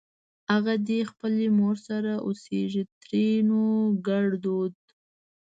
اغه دې خپلې مور سره اوسېږ؛ ترينو ګړدود